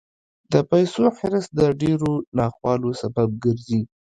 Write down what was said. د پیسو حرص د ډېرو ناخوالو سبب ګرځي.